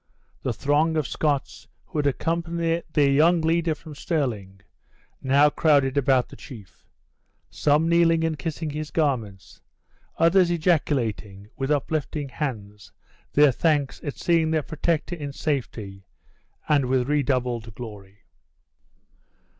The throng of Scots who had accompanied their young leader from Stirling, now crowded about the chief; some kneeling and kissing his garments; others ejaculating, with uplifting hands, their thanks at seeing their protector in safety, and with redoubled glory.